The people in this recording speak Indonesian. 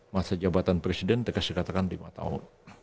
masa jabatan presiden katakan lima tahun